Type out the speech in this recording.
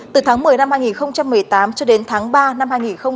từ tháng một mươi năm hai nghìn một mươi tám cho đến tháng ba năm hai nghìn một mươi chín